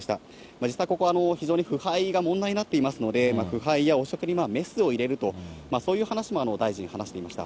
実際、ここは非常に腐敗が問題になっていますので、腐敗や汚職にメスを入れると、そういう話も大臣、話していました。